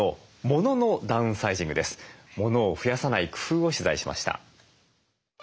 モノを増やさない工夫を取材しました。